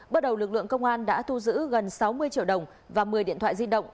bước đầu lực lượng công an đã thu giữ gần sáu mươi triệu đồng và một mươi điện thoại di động